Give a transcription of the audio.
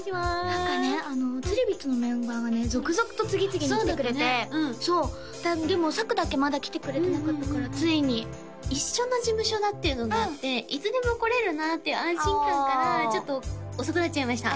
何かねつりビットのメンバーがね続々と次々に来てくれてそうだったねうんでもさくだけまだ来てくれてなかったからついに一緒の事務所だっていうのがあっていつでも来れるなっていう安心感からちょっと遅くなっちゃいました